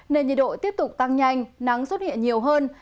nên nhiệt độ tiếp tục tăng nhanh nắng xuất hiện nhiều hơn